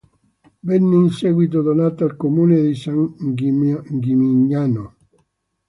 Venne in seguito donata al comune di San Gimignano.